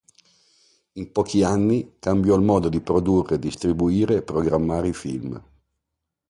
In pochi anni, cambiò il modo di produrre, distribuire, programmare i film.